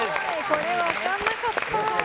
これ分かんなかった。